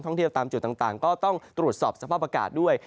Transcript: เที่ยวตามจุดต่างก็ต้องตรวจสอบสภาพอากาศด้วย